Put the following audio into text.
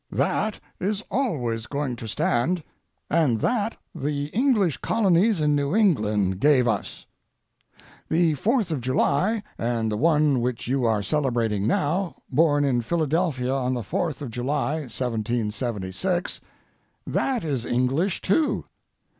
That is always going to stand, and that the English Colonies in New England gave us. The Fourth of July, and the one which you are celebrating now, born, in Philadelphia on the 4th of July, 1776—that is English, too.